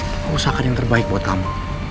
aku usahakan yang terbaik buat kamu